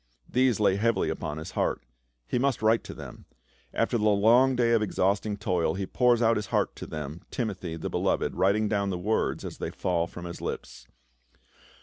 These lay heavily upon his heart ; he must write to them. After the long day of exhausting toil, he pours out his heart to them, Timothy, the beloved, writing down the words as they fall from his lips.